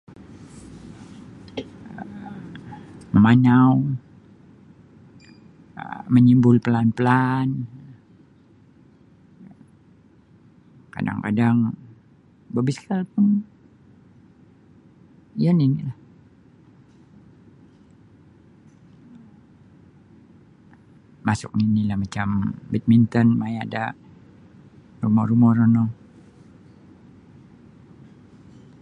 um Mamanau, um manyimbul plaan-plaan, kadang-kadang babiskal pun iyo nini lah masuk nini macam badminton maya da rumo-rumo ro no.